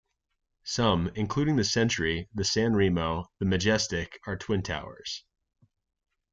Some, including The Century, The San Remo, and The Majestic, are twin towers.